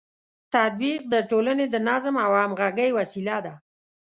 تطبیق د ټولنې د نظم او همغږۍ وسیله ده.